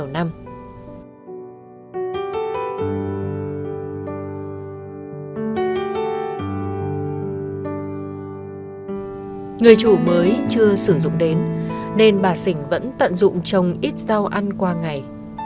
người chủ mới chưa sử dụng đến nên bà xỉnh vẫn tận dụng trồng ít rau ăn qua ngày